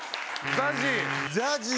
ＺＡＺＹ。